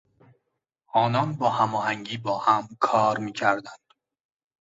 آنان با هماهنگی با هم کار میکردند.